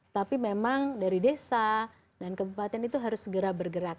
tapi memang dari desa dan kebupaten itu harus segera bergerak